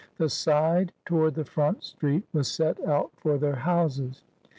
The side toward the front Street was set out for their Houses.